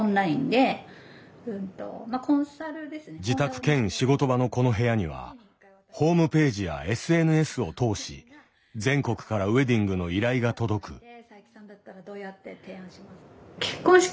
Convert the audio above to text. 自宅兼仕事場のこの部屋にはホームページやＳＮＳを通し全国からウエディングの依頼が届く。